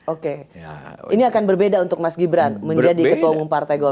oke ini akan berbeda untuk mas gibran menjadi ketua umum partai golkar